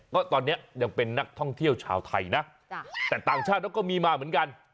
ก็ตอนนี้ยังเป็นนักท่องเที่ยวชาวไทยนะแต่ต่างชาติเขาก็มีมาเหมือนกัน